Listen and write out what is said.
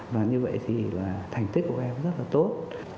và như vậy thì thành tích của các em rất là tốt